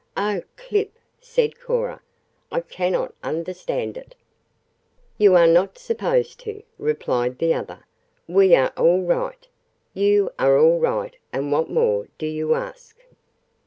"Oh, Clip!" said Cora. "I cannot understand it " "You are not supposed to," replied the other. "We are all right, you are all right, and what more do you ask?"